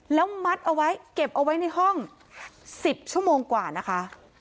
แล้วมัดเอาไว้เก็บเอาไว้ในห้อง๑๐ชั่วโมงกว่านะคะ